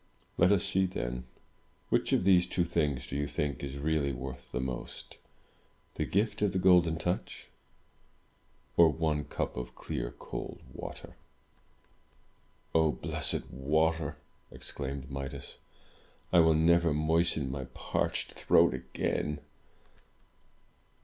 "Let us see, then. Which of these two things do you think is really worth the most — the gift of the Golden Touch, or one cup of clear, cold water?" "Oh blessed water!" exclaimed Midas. "I will never moisten my parched throat again!"